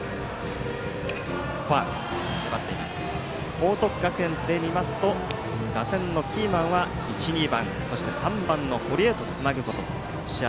報徳学園で見ますと打線のキーマンは１、２番、そして３番の堀へとつなぐことと試合